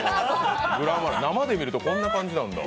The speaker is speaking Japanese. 生で見るとこんな感じなんだ。